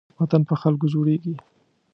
وطن په خلکو جوړېږي